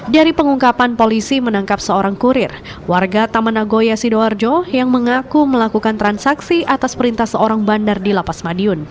dari pengungkapan polisi menangkap seorang kurir warga taman agoya sidoarjo yang mengaku melakukan transaksi atas perintah seorang bandar di lapas madiun